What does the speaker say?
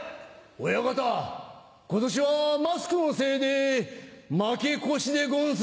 親方今年はマスクのせいで負け越しでごんす。